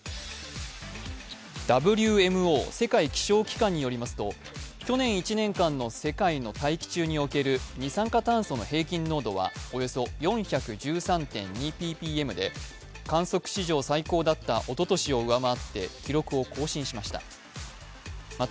ＷＭＯ＝世界気象機関によりますと去年１年間の世界の大気中における二酸化炭素の平均濃度はおよそ４１３．２ｐｐｍで観測史上最高だったおととしを上回って記録を更新しました。